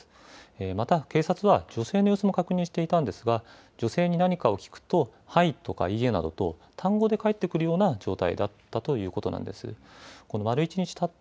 また警察は女性の様子も確認していたんですが女性に何かを聞くとはいとかいいえなどと単語で返ってくるような状態だったということなんです。